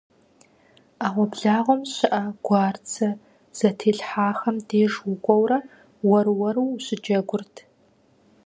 Ӏэгъуэблагъэм щыӀэ гуарцэ зэтелъхьахэм деж укӀуэурэ уэр-уэру ущыджэгурт.